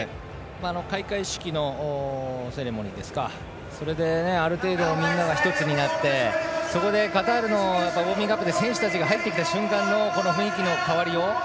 開会式のセレモニーでそれで、ある程度みんなが１つになってそこでカタールのウォーミングアップで選手たちが入ってきた瞬間の雰囲気の変わりよう。